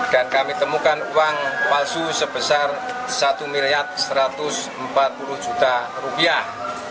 kami temukan uang palsu sebesar satu satu ratus empat puluh juta rupiah